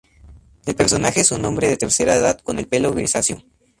El personaje es un hombre de tercera edad con el pelo grisáceo.